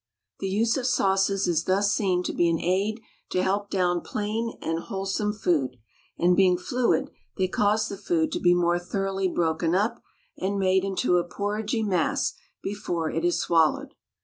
The use of sauces is thus seen to be an aid to help down plain and wholesome food, and being fluid they cause the food to be more thoroughly broken up and made into a porridgy mass before it is swallowed.